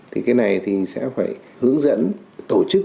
thì cái này thì sẽ phải hướng dẫn tổ chức